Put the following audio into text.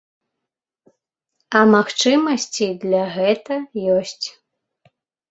А магчымасці для гэта ёсць.